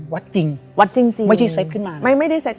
วัดจริงไม่ใช่เซ็ตขึ้นมานะไม่ไม่ได้เซ็ต